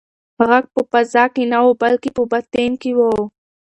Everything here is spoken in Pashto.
غږ په فضا کې نه و بلکې په باطن کې و.